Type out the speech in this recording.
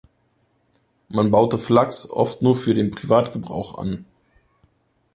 Man baute Flachs oft nur für den Privatgebrauch an.